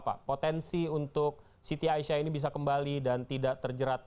apa potensi untuk siti aisyah ini bisa kembali dan tidak terjerat